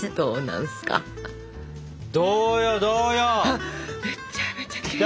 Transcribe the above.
あっめちゃめちゃきれい。